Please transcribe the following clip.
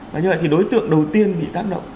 và như vậy thì đối tượng đầu tiên bị tác động